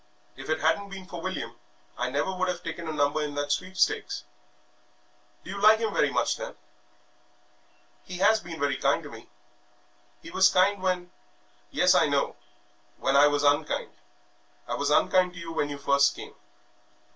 If it hadn't been for William I never would have taken a number in that sweepstakes." "Do you like him very much, then?" "He has been very kind to me he was kind when " "Yes, I know, when I was unkind. I was unkind to you when you first came.